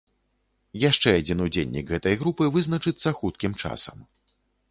Яшчэ адзін удзельнік гэтай групы вызначыцца хуткім часам.